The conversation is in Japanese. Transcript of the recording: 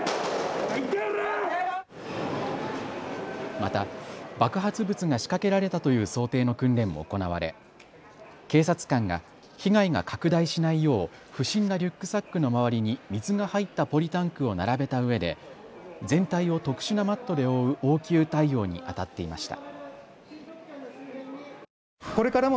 また爆発物が仕掛けられたという想定の訓練も行われ警察官が被害が拡大しないよう不審なリュックサックの周りに水が入ったポリタンクを並べたうえで全体を特殊なマットで覆う応急対応にあたっていました。